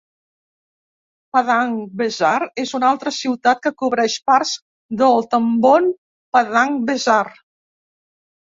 Padang Besar és una altra ciutat que cobreix parts del Tambon Padang Besar.